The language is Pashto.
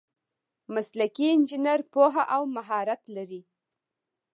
مسلکي انجینر پوهه او مهارت لري.